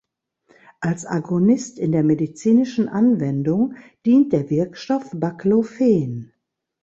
Als Agonist in der medizinischen Anwendung dient der Wirkstoff Baclofen.